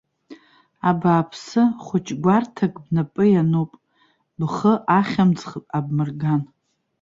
Абааԥсы, хәыҷ гәарҭак бнапы иануп, бхы ахьымӡӷ абмырган!